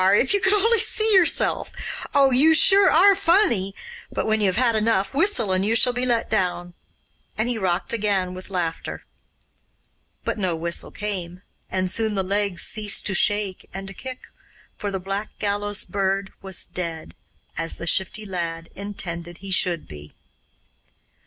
If you could only see yourself! Oh, you ARE funny! But when you have had enough, whistle and you shall be let down'; and he rocked again with laughter. But no whistle came, and soon the legs ceased to shake and to kick, for the Black Gallows Bird was dead, as the Shifty Lad intended he should be.